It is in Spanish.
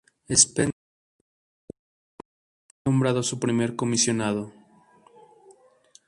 Spencer Fullerton Baird fue nombrado su primer comisionado.